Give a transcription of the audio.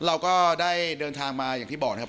เราก็ได้เดินทางมาอย่างที่บอกนะครับ